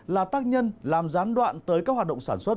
là tác nhân làm gián đoạn tới các hoạt động sản xuất